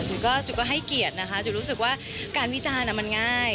จุ๋ยก็ให้เกียรตินะคะจุ๋รู้สึกว่าการวิจารณ์มันง่าย